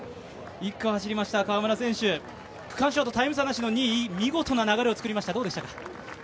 １区を走りました川村選手、区間賞とタイム差なしの２位、一気に流れをつくりました、どうでしたか？